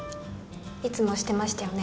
いつもしてましたよね